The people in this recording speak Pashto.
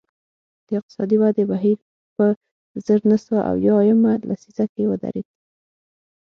د اقتصادي ودې بهیر په زر نه سوه اویا یمه لسیزه کې ودرېد